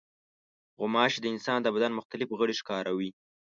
غوماشې د انسان د بدن مختلف غړي ښکاروي.